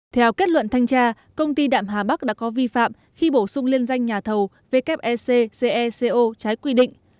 theo kết luận thanh tra công ty đạm hà bắc đã có vi phạm khi bổ sung liên danh nhà thầu wecceco trái quy định